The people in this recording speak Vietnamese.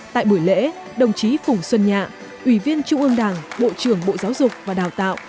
tại buổi lễ đồng chí phùng xuân nhạ ủy viên trung ương đảng bộ trưởng bộ giáo dục và đào tạo